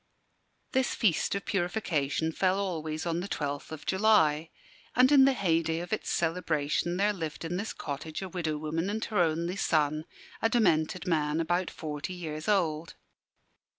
This feast of purification fell always on the 12th of July; and in the heyday of its celebration there lived in this cottage a widow woman and her only son, a demented man about forty years old.